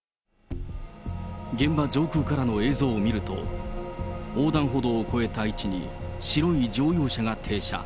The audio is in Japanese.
現場上空からの映像を見ると、横断歩道を越えた位置に白い乗用車が停車。